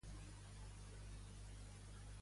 En quina batalla va prestar suport als amfictions?